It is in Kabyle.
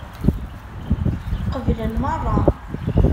Qeblen meṛṛa.